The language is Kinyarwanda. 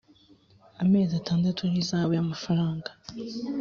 amezi atandatu n ihazabu y amafaranga